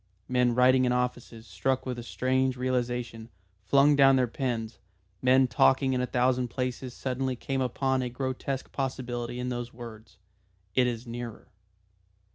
Men writing in offices, struck with a strange realisation, flung down their pens, men talking in a thousand places suddenly came upon a grotesque possibility in those words, "It is nearer."